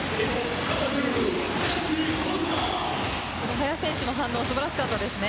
林選手の反応素晴らしかったですね。